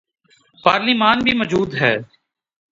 پارلیمان بھی موجود ہے۔